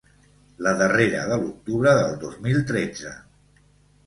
La darrera, de l’octubre del dos mil tretze.